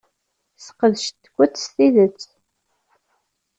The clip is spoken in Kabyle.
Sqedcent-kent s tidet.